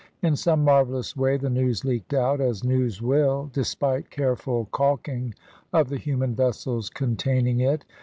In some marvellous way the news leaked out, as news will, despite careful caulking of the human vessels containing it.